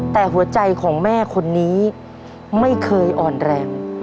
แต่หัวใจของแม่คนนี้ไม่เคยอ่อนแรง